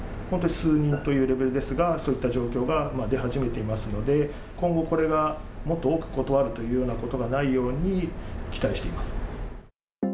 本当に数人というレベルですが、そういった状況が出始めていますので、今後、これがもっと多く断るというようなことがないように期待しています。